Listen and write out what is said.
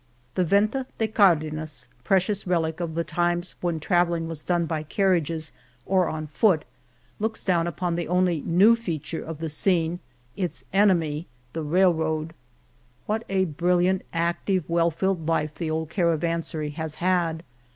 The Venta de Cardenas, precious relic of the times when travelling was done by car riages or on foot, looks down upon the only new feature of the scene, its enemy, the rail road. What a brilliant, active, well filled life the old caravansary has had